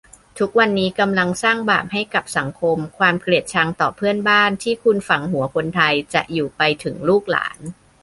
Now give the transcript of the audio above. ทุกวันนี้กำลังสร้างบาปให้กับสังคม ความเกลียดชังต่อเพื่อนบ้านที่คุณฝังหัวคนไทยจะอยู่ไปถึงลูกหลาน